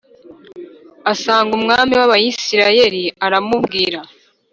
asanga umwami w’Abisirayeli aramubwira